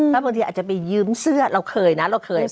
ถ้าบางทีอาจจะไปยืมเสื้อเราเคยนะเราเคย